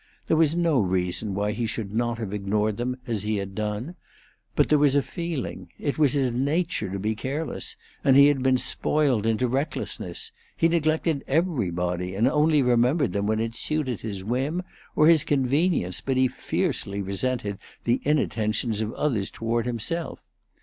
There was no reason why he should not have ignored them as he had done; but there was a feeling. It was his nature to be careless, and he had been spoiled into recklessness; he neglected everybody, and only remembered them when it suited his whim or his convenience; but he fiercely resented the inattentions of others toward himself.